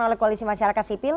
oleh koalisi masyarakat sipil